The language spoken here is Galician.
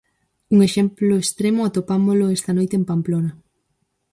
Un exemplo extremo atopámolo esta noite en Pamplona.